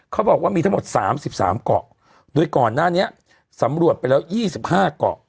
เขาบอกว่ามีทั้งหมด๓๓เกาะโดยก่อนหน้านี้สำรวจไปแล้ว๒๕เกาะ